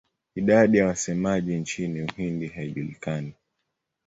Idadi ya wasemaji nchini Uhindi haijulikani.